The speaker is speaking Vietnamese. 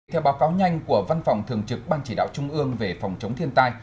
theo báo cáo nhanh của văn phòng thường trực ban chỉ đạo trung ương về phòng chống thiên tai